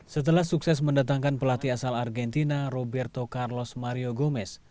setelah sukses mendatangkan pelatih asal argentina roberto carlos mario gomez